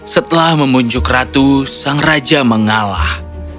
setelah memunjuk ratu sang raja mengalah